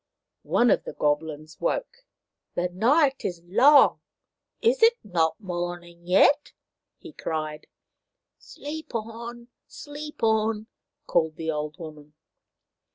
One of the Goblins woke. " The night is long. Is it not morning yet ?" he cried. " Sleep on ! Sleep on !" called the old woman.